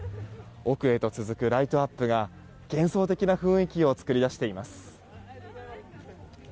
奥へと続くライトアップが幻想的な雰囲気を作り出しています。